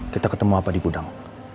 kita ketemu apa di gudang